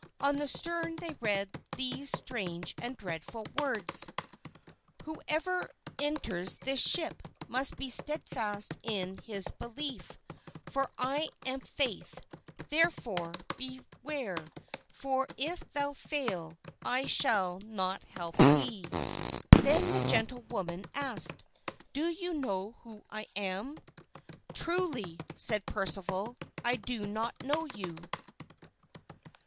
On the stern they read these strange and dreadful words: "Whoever enters this ship must be steadfast in his belief, for I am faith; therefore, beware, for if thou fail, I shall not help thee." Then the gentlewoman asked, "Do you know who I am?" "Truly," said Sir Percival, "I do not know you."